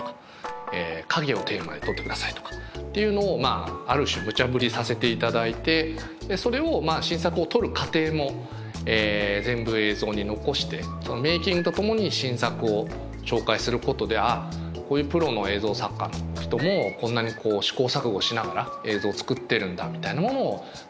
影をテーマで撮ってくださいとかっていうのをある種ムチャぶりさせていただいてそれを新作を撮る過程も全部映像に残してメーキングとともに新作を紹介することであっこういうプロの映像作家の人もこんなに試行錯誤しながら映像作ってるんだみたいなものを見て学んでいただけるコーナー。